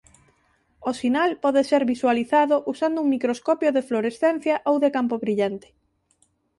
O sinal pode ser visualizado usando un microscopio de fluorescencia ou de campo brillante.